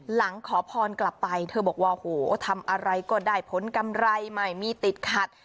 ขอพรกลับไปเธอบอกว่าโหทำอะไรก็ได้ผลกำไรไม่มีติดขัด